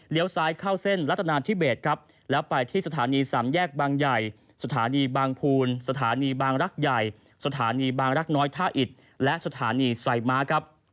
ซ้ายเข้าเส้นรัฐนาธิเบสครับแล้วไปที่สถานีสามแยกบางใหญ่สถานีบางภูลสถานีบางรักใหญ่สถานีบางรักน้อยท่าอิดและสถานีไซม้าครับ